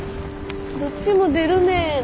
「どっちも出るねん」